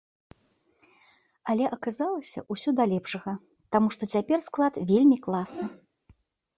Але, аказалася, усё да лепшага, таму што цяпер склад вельмі класны!